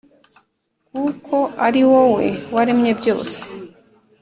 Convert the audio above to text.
kuko ari wowe waremye byose.